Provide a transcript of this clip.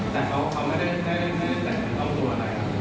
แต่เขาไม่ได้แสดงต้องตัวอะไรครับ